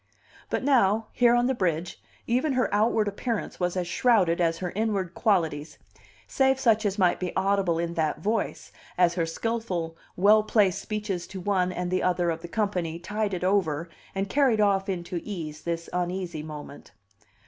But now, here on the bridge, even her outward appearance was as shrouded as her inward qualities save such as might be audible in that voice, as her skilful, well placed speeches to one and the other of the company tided over and carried off into ease this uneasy moment.